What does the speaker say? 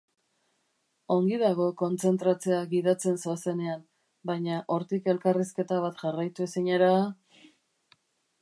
Ongi dago kontzentratzea gidatzen zoazenean, baina hortik elkarrizketa bat jarraitu ezinera...!